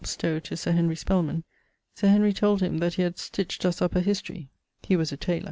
Stowe to Sir Henry Spelman, Sir Henry told him that he had 'stich't us up a historie.' He was a taylor.